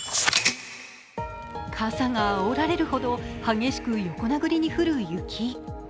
傘があおられるほど激しく横殴りに降る雪。